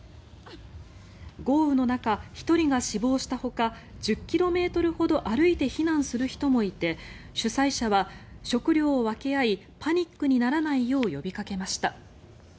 豪雨の中、１人が死亡したほか１０ｋｍほど歩いて避難する人もいて主催者は食料を分け合いパニックにならないよう呼びかけました。